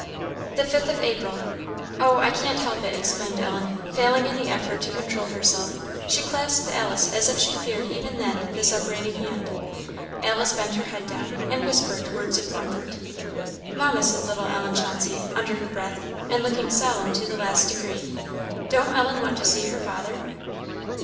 _" "The fifth of April. Oh, I can't help it!" exclaimed Ellen, failing in the effort to control herself; she clasped Alice as if she feared even then the separating hand. Alice bent her head down, and whispered words of comfort. "Mamma!" said little Ellen Chauncey, under her breath, and looking solemn to the last degree "don't Ellen want to see her father?"